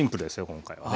今回はね。